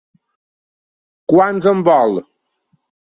Quants en vol?